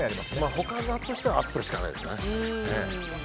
他があるとしたらアップルしかないですね。